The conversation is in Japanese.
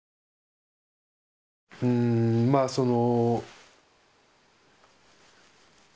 んまあその。